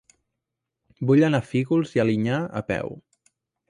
Vull anar a Fígols i Alinyà a peu.